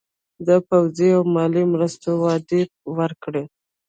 د پوځي او مالي مرستو وعده یې ورکړه.